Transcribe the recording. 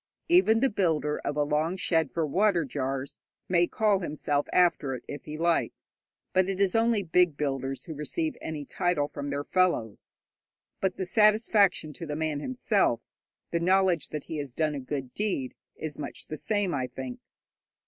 Even the builder of a long shed for water jars may call himself after it if he likes, but it is only big builders who receive any title from their fellows. But the satisfaction to the man himself, the knowledge that he has done a good deed, is much the same, I think.